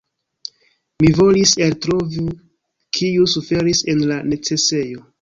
Mi volis eltrovi kiu suferis en la necesejo."